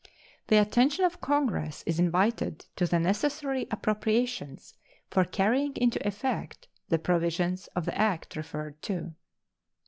The attention of Congress is invited to the necessary appropriations for carrying into effect the provisions of the act referred to.